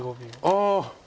ああ。